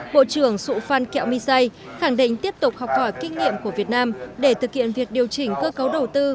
bộ trưởng su phan kẹo my sai khẳng định tiếp tục học hỏi kinh nghiệm của việt nam để thực hiện việc điều chỉnh cơ cấu đầu tư